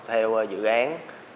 theo dự án